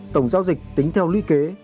tổng giao dịch tính theo lý kế